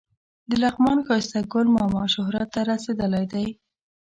د لغمان ښایسته ګل ماما شهرت ته رسېدلی دی.